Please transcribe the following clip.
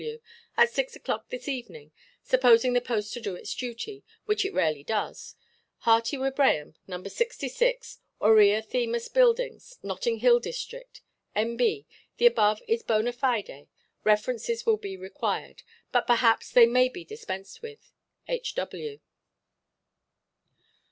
W., at six oʼclock this evening, supposing the post to do its duty, which it rarely does. Hearty Wibraham, No. 66, Aurea Themis Buildings, Notting Hill district. N.B.—The above is bonâ fide. References will be required. But perhaps they may be dispensed with. "H. W."